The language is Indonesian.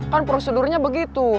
kan prosedurnya begitu